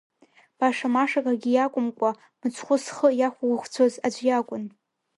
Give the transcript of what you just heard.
Башамашакгьы иакәымкәа, мыцхәы зхы иақәгәыӷцәоз аӡә иакәын.